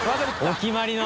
お決まりの。